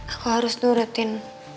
aku harus nurutin